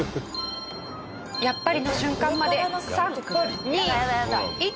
「やっぱり！」の瞬間まで３２１。